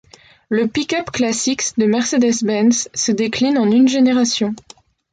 Le pick-up Classe X de Mercedes-Benz, se décline en une génération.